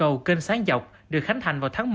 cầu kênh sáng dọc được khánh thành vào tháng một